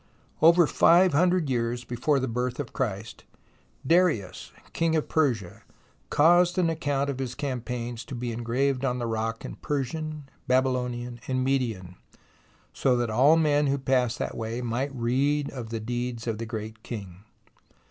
Over five hundred years before the birth of Christ, Darius, King of Persia, caused an account of his campaigns to be engraved on the rock in Persian, Babylonian and Median, so that all men who passed that way might read of the deeds of the great king.